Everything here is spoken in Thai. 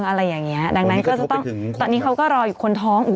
อะไรอย่างนี้ดังนั้นตอนนี้เขาก็รออยู่คนท้อง